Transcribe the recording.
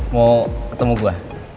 mau ketemu gue